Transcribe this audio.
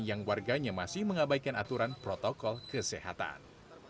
yang warganya masih mengabaikan aturan protokol kesehatan